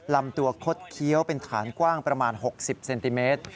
ลำตัวคดเคี้ยวเป็นฐานกว้างประมาณ๖๐เซนติเมตร